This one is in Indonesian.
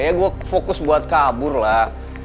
ya gue fokus buat kabur lah